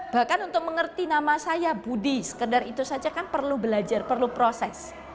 bahkan untuk mengerti nama saya budi sekedar itu saja kan perlu belajar perlu proses